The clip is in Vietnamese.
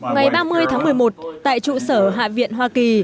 ngày ba mươi tháng một mươi một tại trụ sở hạ viện hoa kỳ